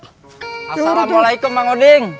assalamualaikum mang uding